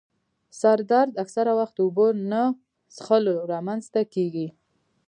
سر درد اکثره وخت د اوبو نه څیښلو رامنځته کېږي.